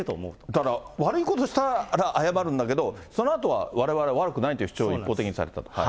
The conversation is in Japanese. だから悪いことしたら謝るんだけど、そのあとはわれわれ、悪くないという主張を一方的にされたと。